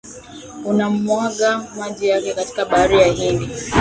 hunamwaga maji yake katika bahari ya Hindi